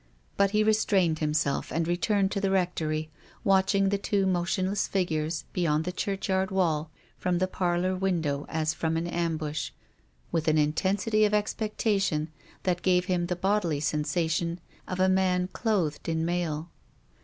I^ut he restrained himself and returned to the rectory, watching the two motionless figures beyond the churchyard wall from the parlour window as from an ambush, with an intensity of expectation that gave him the bodily sensation of a man clothed in mail.